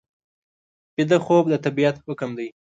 ویده خوب د طبیعت حکم دی